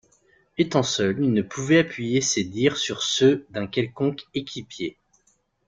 Étant seul, il ne pouvait appuyer ses dires sur ceux d'un quelconque équipier.